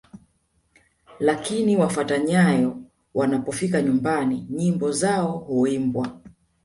Lakini wafata nyayo wanapofika nyumbani nyimbo zao huimbwa